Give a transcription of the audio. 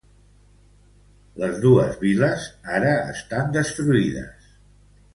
Les dos vil·les ara estan destruïdes.